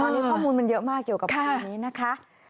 วันนี้ข้อมูลมันเยอะมากเกี่ยวกับวันนี้